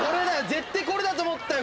絶対これだと思ったよ。